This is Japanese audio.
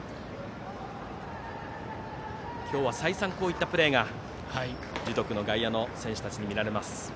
今日は再三こうしたプレーが樹徳の外野の選手たちに見られます。